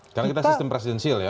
karena kita sistem presidensial ya